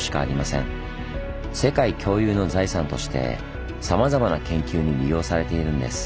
世界共有の財産としてさまざまな研究に利用されているんです。